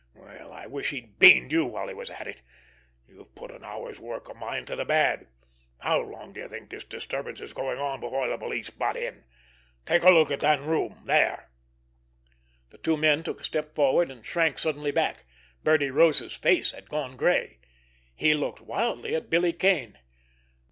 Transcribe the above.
Well, I wish he'd beaned you while he was at it! You've put an hour's work of mine to the bad! How long do you think this disturbance is going on, before the police butt in? Take a look in that room, there!" The two men took a step forward, and shrank suddenly back. Birdie Rose's face had gone gray. He looked wildly at Billy Kane.